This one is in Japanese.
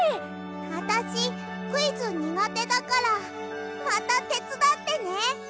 あたしクイズにがてだからまたてつだってね。